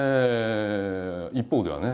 一方ではね